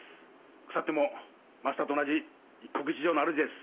腐ってもマスターと同じ一国一城のあるじです。